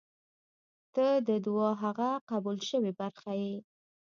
• ته د دعا هغه قبل شوې برخه یې.